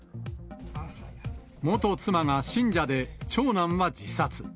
元妻が信者で、長男は自殺。